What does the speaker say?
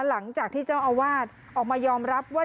หลังจากที่เจ้าอาวาสออกมายอมรับว่า